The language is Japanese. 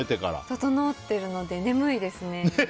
ととのってるので眠いですね。